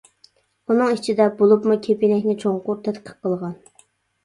ئۇنىڭ ئىچىدە بولۇپمۇ كېپىنەكنى چوڭقۇر تەتقىق قىلغان.